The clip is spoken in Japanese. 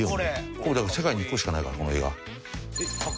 これだから世界に１個しかないからこの絵が。